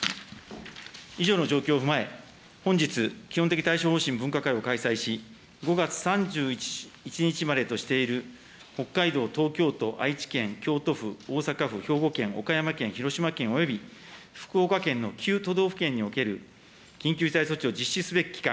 以上の状況を踏まえ、本日、基本的対処方針分科会を開催し、５月３１日までとしている北海道、東京都、愛知県、京都府、大阪府、兵庫県、岡山県、広島県および福岡県の９都道府県における緊急事態措置を実施すべき期間